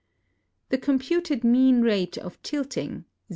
The computed mean rate of tilting, 0.